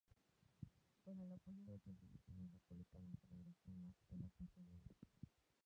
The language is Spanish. Con el apoyo de las otras divisiones republicanas, se logró frenar el ataque enemigo.